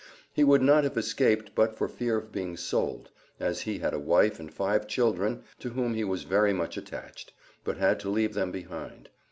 He would not have escaped but for fear of being sold, as he had a wife and five children to whom he was very much attached, but had to leave them behind.